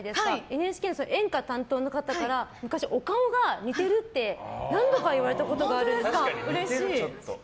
ＮＨＫ、演歌担当の方から昔、お顔が似てるって何度か言われたことがあるんです。